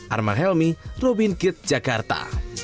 arman helmi robin kirt jakarta